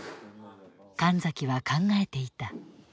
神崎は考えていた。